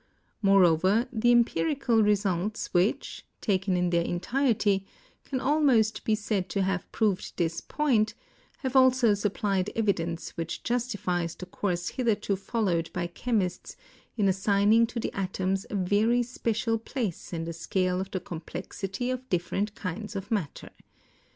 Moreover, the empirical results which, taken in their entirety, can almost be said to have proved this point, have also supplied evidence which justifies the course hith erto followed by chemists in assigning to the atoms a very special place in the scale of the complexity of different kinds of matter.